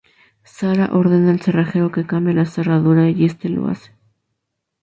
Sara ordena al cerrajero que cambie la cerradura y este lo hace.